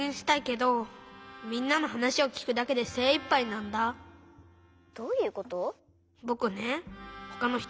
どういうこと？